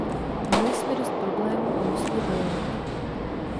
Měli jsme dost problémů a museli bojovat.